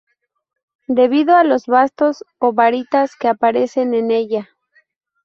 Debido a los bastos o "varitas" que aparecen en ella.